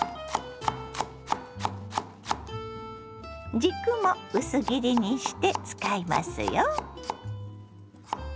軸も薄切りにして使いますよ。